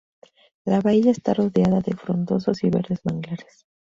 La bahía está rodeada de frondosos y verdes manglares.